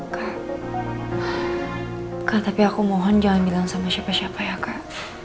kak tapi aku mohon jangan bilang sama siapa siapa ya kak